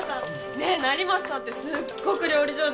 ねえ成増さんってすっごく料理上手なんだよ。